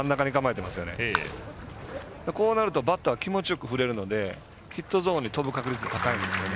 こうなるとバッターは気持ちよく振れるのでヒットゾーンに飛ぶ確率が高いんですよね。